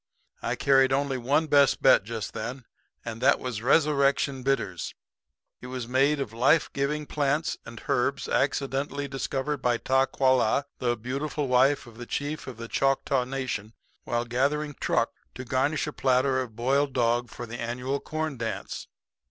I carried only one best bet just then, and that was Resurrection Bitters. It was made of life giving plants and herbs accidentally discovered by Ta qua la, the beautiful wife of the chief of the Choctaw Nation, while gathering truck to garnish a platter of boiled dog for the annual corn dance.